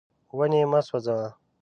ونې مه سوځوه.